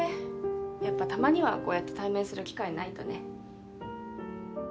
やっぱたまにはこうやって対面する機会ないとね。